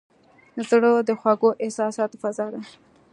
زړه د خوږو احساساتو فضا ده.